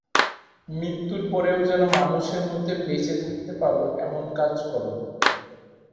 মৃত্যুর পরেও যেন মানুষের মধ্যে বেঁচে থাকতে পারো, এমন কাজ করো।